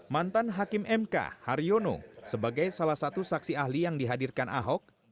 mantan hakim mk haryono sebagai salah satu saksi ahli yang dihadirkan ahok